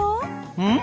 うん？